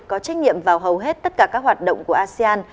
có trách nhiệm vào hầu hết tất cả các hoạt động của asean